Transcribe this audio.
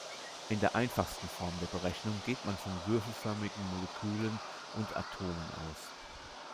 In der einfachsten Form der Berechnung geht man von würfelförmigen Molekülen und Atomen aus.